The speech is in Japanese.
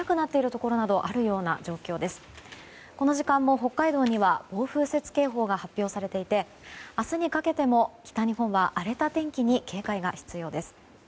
この時間も北海道には暴風雪警報が発表されていて明日にかけても北日本は荒れた天気に警戒が必要です。